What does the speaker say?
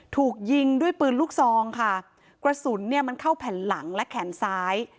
ถูกยิงด้วยปืนลูกซองค่ะกระสุนเนี่ยมันเข้าแผ่นหลังและแขนซ้าย